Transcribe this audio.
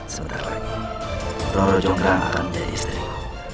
sebentar lagi roro jongraa akan jadi istrimu